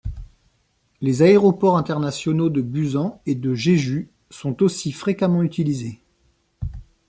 Les aéroports internationaux de Busan et de Jeju sont aussi fréquemment utilisés.